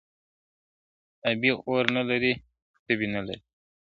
ابۍ اور نه لري تبۍ نه لري !.